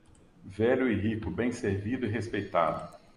Velho e rico, bem servido e respeitado.